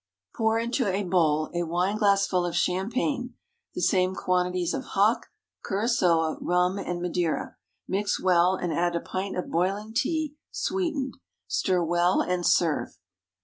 _ Pour into a bowl a wine glassful of champagne, the same quantities of hock, curaçoa, rum, and madeira. Mix well, and add a pint of boiling tea, sweetened. Stir well and serve.